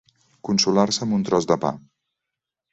Consolar-se amb un tros de pa.